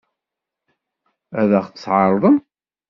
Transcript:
Ad ɣ-t-tɛeṛḍem?